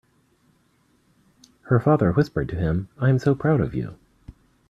Her father whispered to him, "I am so proud of you!"